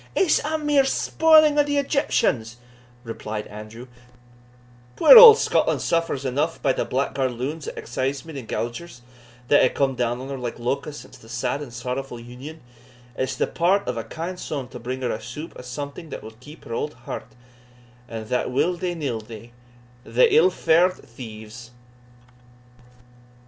"It's a mere spoiling o' the Egyptians," replied Andrew; "puir auld Scotland suffers eneugh by thae blackguard loons o' excisemen and gaugers, that hae come down on her like locusts since the sad and sorrowfu' Union; it's the part of a kind son to bring her a soup o' something that will keep up her auld heart, and that will they nill they, the ill fa'ard thieves!"